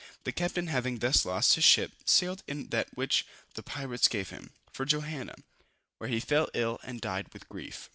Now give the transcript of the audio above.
The captain having thus lost his ship, sailed in that which the pirates gave him, for Johanna, where he fell ill and died with grief.